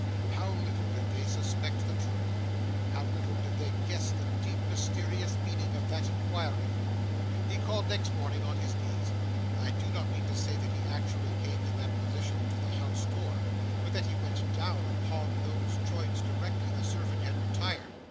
How little did they suspect the truth! How little did they guess the deep mysterious meaning of that inquiry! He called next morning on his knees; I do not mean to say that he actually came in that position to the house door, but that he went down upon those joints directly the servant had retired.